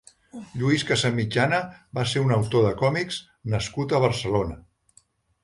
Lluís Casamitjana va ser un autor de còmics nascut a Barcelona.